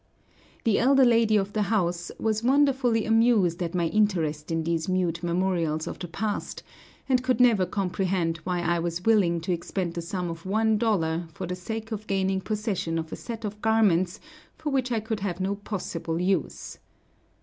The elder lady of the house was wonderfully amused at my interest in these mute memorials of the past, and could never comprehend why I was willing to expend the sum of one dollar for the sake of gaining possession of a set of garments for which I could have no possible use.